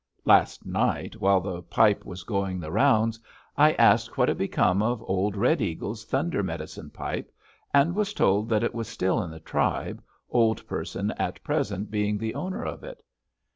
Last night, while the pipe was going the rounds, I asked what had become of old Red Eagle's Thunder Medicine Pipe, and was told that it was still in the tribe, Old Person at present being the owner of it.